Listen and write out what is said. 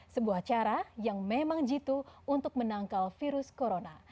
sebuah cara yang memang jitu untuk menangkal virus corona